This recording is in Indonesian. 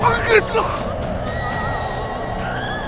bangkitlah kalian semua